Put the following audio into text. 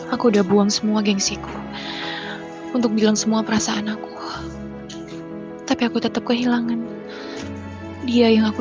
aku udah buang semua gengsiku untuk bilang semua perasaan aku tapi aku tetap kehilangan dia yang aku